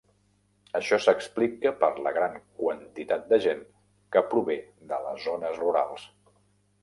Això s'explica per la gran quantitat de gent que prové de les zones rurals.